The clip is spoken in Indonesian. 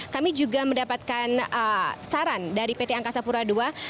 kami juga mendapatkan saran dari pt angkasa pura ii